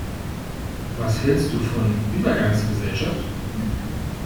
Was hälst du von Übergangsgesellschaft?